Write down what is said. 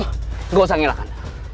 gak usah ngelakannya